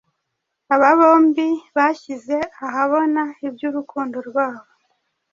Aba bombi bashyize ahabona iby’urukundo rwabo